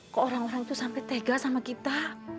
kok orang orang itu sampai tega sama kita